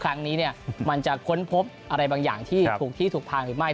ครั้งนี้มันจะค้นพบอะไรบางอย่างที่ถูกที่ถูกทางหรือไม่